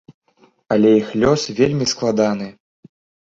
Але іх лёс вельмі складаны.